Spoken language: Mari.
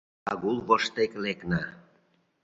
Агул воштет лекна